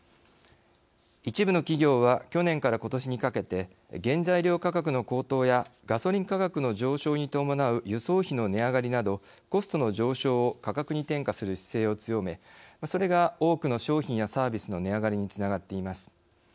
一部の企業は去年からことしにかけて原材料価格の高騰やガソリン価格の上昇に伴う輸送費の値上がりなどコストの上昇を価格に転嫁する姿勢を強めそれが多くの商品やサービスの値上がりにつながっています。